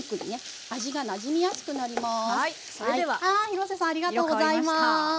廣瀬さんありがとうございます。